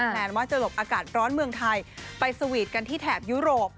แนนว่าจะหลบอากาศร้อนเมืองไทยไปสวีทกันที่แถบยุโรป